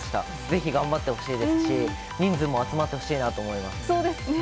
ぜひ頑張ってほしいですし、人数も集まってほしいなと思いまそうですね。